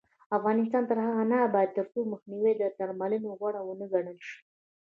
افغانستان تر هغو نه ابادیږي، ترڅو مخنیوی تر درملنې غوره ونه ګڼل شي.